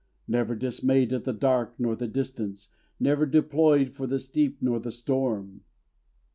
Never dismayed at the dark nor the distance! Never deployed for the steep nor the storm!